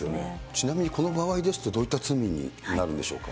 ちなみにこの場合ですと、どういった罪になるんでしょうか？